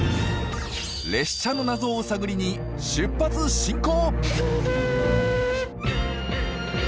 列車の謎を探りに出発進行！